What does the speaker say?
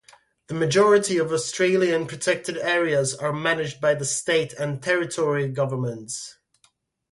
The majority of Australian protected areas are managed by the state and territory governments.